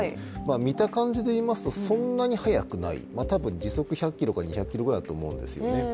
見た感じで言いますとそんなに速くない、多分時速１００ｋｍか２００ｋｍぐらいだと思うんですよね。